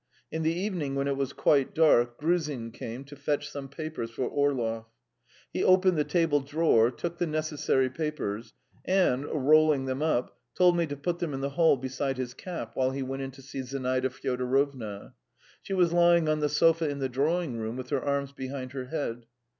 In the evening when it was quite dark, Gruzin came to fetch some papers for Orlov. He opened the table drawer, took the necessary papers, and, rolling them up, told me to put them in the hall beside his cap while he went in to see Zinaida Fyodorovna. She was lying on the sofa in the drawing room, with her arms behind her head.